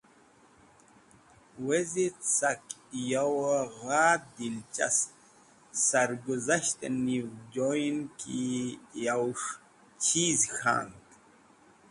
Wezit! , Sak yow-e gha dilchasp sarguzasht niv joyen ki yowes̃h chiz k̃hand.